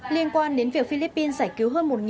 liên quan đến việc philippines giải cứu hơn